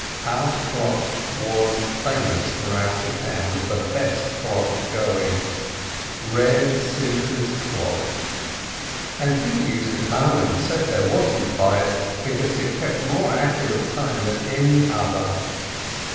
Our clock was famous throughout the town as the best clock going — "Reb Simcheh's clock" — and peo ple used to come and set their watches by it, because it kept more accurate time than any other.